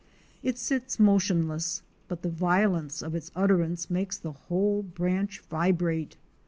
It sits motionless but the violence of its utterance makes the whole branch vibrate.